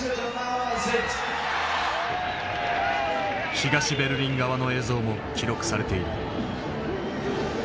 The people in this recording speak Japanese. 東ベルリン側の映像も記録されている。